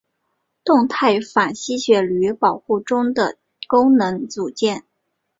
动态反吸血驴保护中的功能组件。